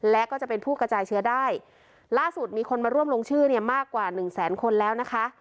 และก็จะเป็นผู้กระจายเชื้อได้ล่าสุดมีคนมาร่วมลงชื่อเนี่ยมากกว่าหนึ่งแสนคนแล้วนะคะ